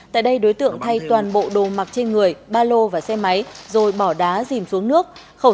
tại đây đối tượng thay toàn bộ đồ mặc trên người ba lô và xe máy rồi bỏ đá dìm xuống nước